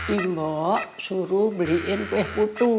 ini mbok suruh belikan kue putu